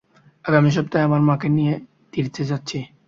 আগামী সপ্তাহে আমার মাকে নিয়ে তীর্থে যাচ্ছি।